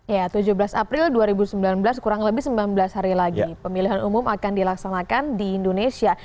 ya tujuh belas april dua ribu sembilan belas kurang lebih sembilan belas hari lagi pemilihan umum akan dilaksanakan di indonesia